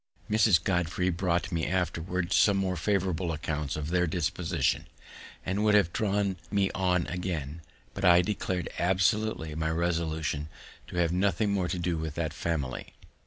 Mrs. Godfrey brought me afterward some more favorable accounts of their disposition, and would have drawn me on again; but I declared absolutely my resolution to have nothing more to do with that family.